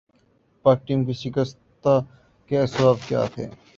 پاک ٹیم کے شکستہ کے اسباب کیا تھے